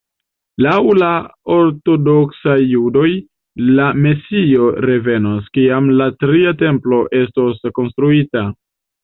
Laŭ la ortodoksaj judoj, la mesio revenos, kiam la tria Templo estos konstruita.